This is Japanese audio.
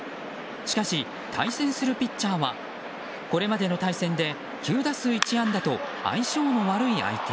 しかし、対戦するピッチャーはこれまでの対戦で９打数１安打と相性の悪い相手。